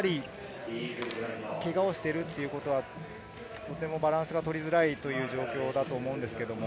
けがをしているということは、バランスが取りづらい状況だと思うんです。